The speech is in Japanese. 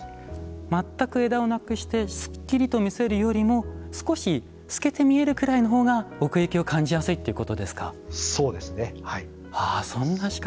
全く枝をなくしてすっきりと見せるよりも少し透けて見えるくらいのほうが奥行きを感じやすいということですか。